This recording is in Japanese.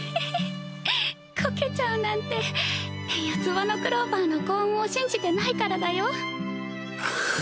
こけちゃうなんて四つ葉のクローバーの幸運を信じてないからだよ